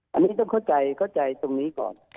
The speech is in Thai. วันนี้ต้องเข้าใจตรงนี้ก่อน